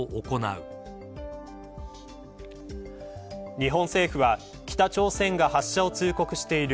日本政府は北朝鮮が発射を通告している